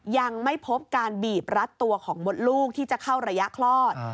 ยังไม่พบการบีบรัดตัวของมดลูกที่จะเข้าระยะคลอด